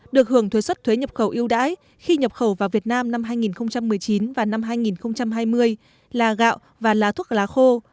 được hưởng thuế xuất thuế nhập khẩu yêu đãi khi nhập khẩu vào việt nam năm hai nghìn một mươi chín và năm hai nghìn hai mươi là gạo và lá thuốc lá khô